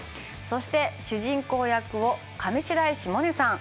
そして主人公役を上白石萌音さん。